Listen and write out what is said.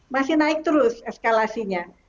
masih naik terus eskalasinya